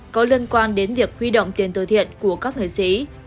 có liên quan đến việc huy động tiền từ thiện của các nghệ sĩ